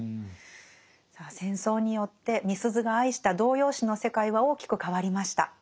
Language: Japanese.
さあ戦争によってみすゞが愛した童謡詩の世界は大きく変わりました。